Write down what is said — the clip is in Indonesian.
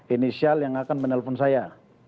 inisial yang akan menelpon saya